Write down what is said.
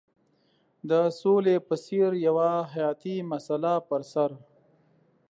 د سولې په څېر یوه حیاتي مسله پر سر.